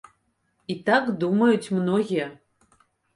І так думаюць многія.